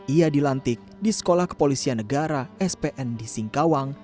ia dilantik di sekolah kepolisian negara spn di singkawang